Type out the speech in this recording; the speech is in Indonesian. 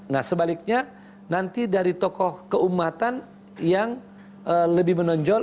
nah sebaliknya nanti dari tokoh keumatan yang lebih menonjol